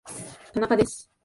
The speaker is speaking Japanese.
田中です